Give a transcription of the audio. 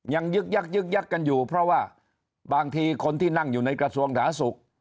ยึกยักยึกยักกันอยู่เพราะว่าบางทีคนที่นั่งอยู่ในกระทรวงสาธารณสุข